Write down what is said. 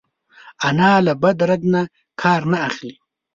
انا له بد رد نه کار نه اخلي